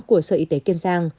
của sở y tế kiên giang